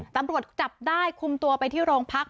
ตำรวจจับได้คุมตัวไปที่โรงพัก